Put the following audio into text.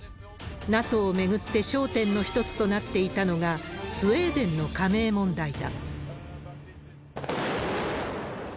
ＮＡＴＯを巡って焦点の一つとなっていたのが、スウェーデンの加盟問題だ。